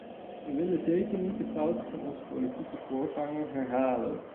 We willen zeker niet de fouten van onze politieke voorgangers herhalen.